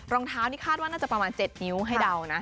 รองเท้านี่คาดว่าน่าจะประมาณ๗นิ้วให้เดานะ